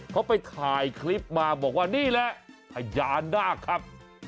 เขาไปถ่ายคลิปมาบอกว่านี่แหละพญานาคครับ